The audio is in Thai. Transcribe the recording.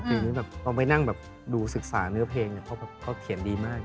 ตอนนี้ต้องไปนั่งดูศึกษาเนื้อเพลงเขาเขียนดีมาก